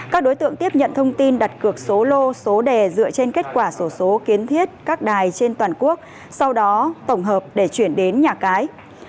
các đối tượng tiếp nhận thông tin đặt cược số lô số đề dựa trên kết quả sổ số kiến thiết các đài trên toàn quốc sau đó tổng hợp để chuyển đến nhà cái